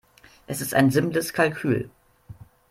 Es ist ein simples Kalkül.